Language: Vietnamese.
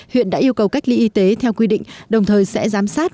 huyện đã yêu cầu cách ly y tế theo quy định đồng thời sẽ giám sát